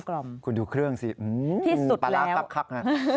คุณดูเครื่องสิปลาร้าคัก